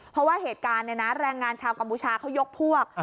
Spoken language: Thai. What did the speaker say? เพราะว่าเหตุการณ์เนี่ยนะแรงงานชาวกัมพูชาเขายกพวก